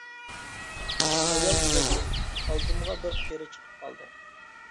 ئايال شوپۇر: ئالدىمغا بىر قېرى چىقىپ قالدى!